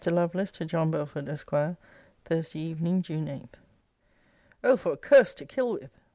LOVELACE, TO JOHN BELFORD, ESQ. THURSDAY EVENING, JUNE 8. O for a curse to kill with!